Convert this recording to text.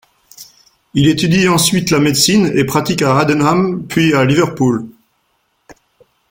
Il étudie ensuite la médecine et pratique à Haddenham puis à Liverpool.